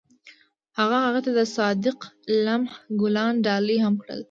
هغه هغې ته د صادق لمحه ګلان ډالۍ هم کړل.